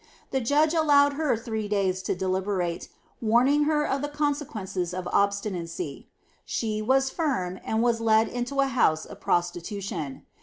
The judge allowed her three days to deliberate, warning her of the consequences of obstinacy. She was firm, and was led into a house of prostitution.